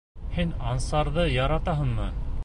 Һин Ансарҙы яратаһыңмы?